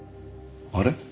あれ？